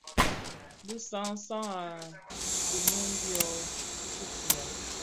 Bi san san a di mum dyō kpusiya.